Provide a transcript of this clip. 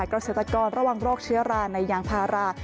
เกาะเศรษฐกรระหว่างโรคเชื้อราในยางภารา